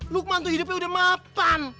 lukman tuh hidupnya udah mapan